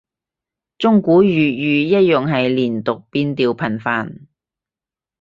中古粵語一樣係連讀變調頻繁